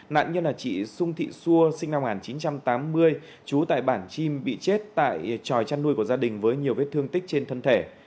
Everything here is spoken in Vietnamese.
nạn nhân là chị sung thị xua sinh năm một nghìn chín trăm tám mươi trú tại bản chim bị chết tại tròi chăn nuôi của gia đình với nhiều vết thương tích trên thân thể